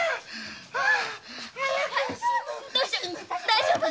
大丈夫？